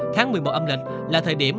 tháng một mươi một âm lịch là thời điểm